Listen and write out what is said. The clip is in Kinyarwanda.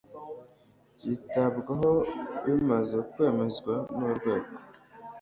byitabwaho bimaze kwemezwa n Urwego